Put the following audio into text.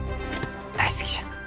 大好きじゃ。